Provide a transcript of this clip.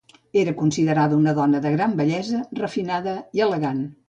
Era considerada una dona de gran bellesa, refinada i elegant.